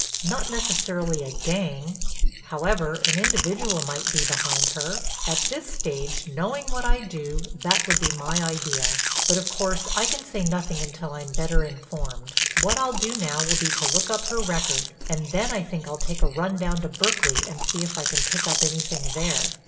Not necessarily a gang, however, an individual might be behind her. At this stage, knowing what I do, that would be my idea. But, of course, I can say nothing until I'm better informed. What I'll do now will be to look up her record and then I think I'll take a run down to Berkeley and see if I can pick up anything there."